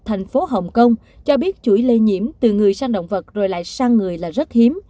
thành phố hồng kông cho biết chuỗi lây nhiễm từ người sang động vật rồi lại sang người là rất hiếm